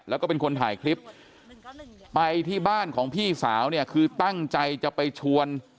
แล้วก็เป็นคนถ่ายคลิปไปที่บ้านของพี่สาวเนี่ยคือตั้งใจจะไปชวน